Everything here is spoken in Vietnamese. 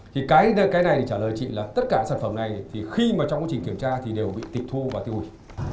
thì cái này trả lời chị là tất cả sản phẩm này thì khi mà trong quá trình kiểm tra thì đều bị tịch thu và tiêu hủy